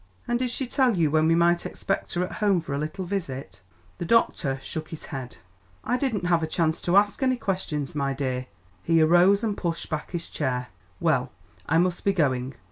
"And did she tell you when we might expect her at home for a little visit?" The doctor shook his head. "I didn't have a chance to ask any questions, my dear." He arose and pushed back his chair. "Well, I must be going.